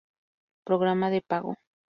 Programa de pago.